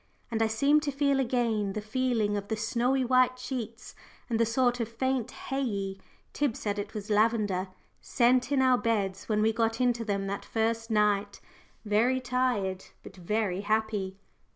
and I seem to feel again the feeling of the snowy white sheets and the sort of faint hay ey Tib said it was lavender scent in our beds when we got into them that first night very tired, but very happy.